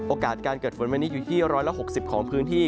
โอกาสการเกิดฝนวันนี้อยู่ที่๑๖๐ของพื้นที่